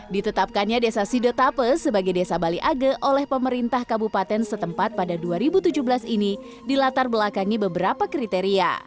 ditetapkannya desa sidotape sebagai desa bali age oleh pemerintah kabupaten setempat pada dua ribu tujuh belas ini dilatar belakangi beberapa kriteria